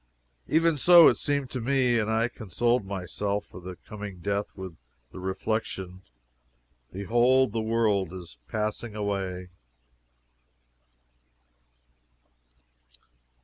"Even so it seemed to me and I consoled myself for the coming death with the reflection: BEHOLD, THE WORLD IS PASSING AWAY!"